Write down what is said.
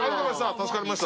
助かりました。